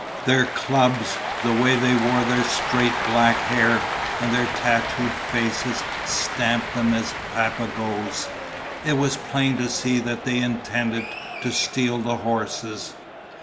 Their clubs, the way they wore their straight black hair, and their tattooed faces stamped them as Papagoes. It was plain to see that they intended to steal the horses.